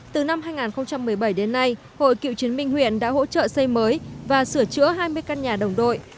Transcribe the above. từ năm hai nghìn một mươi bảy đến nay hội cựu chiến binh huyện đã hỗ trợ xây mới và sửa chữa hai mươi căn nhà đồng đội